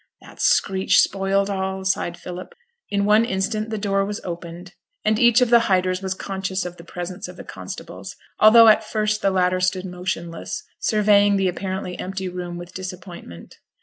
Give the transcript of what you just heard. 'That screech spoiled all,' sighed Philip. In one instant the door was opened, and each of the hiders was conscious of the presence of the constables, although at first the latter stood motionless, surveying the apparently empty room with disappointment.